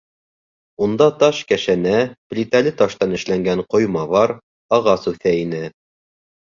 Унда таш кәшәнә, плитәле таштан эшләнгән ҡойма бар, ағас үҫә ине...